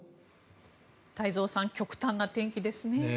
太蔵さん極端な天気ですね。